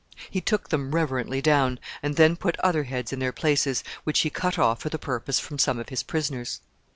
He took them reverently down, and then put other heads in their places, which he cut off for the purpose from some of his prisoners.